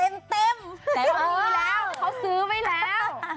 เขาซื้อไปแล้ว